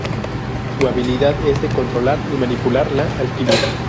Su habilidad es de controlar y manipular la Alquimia.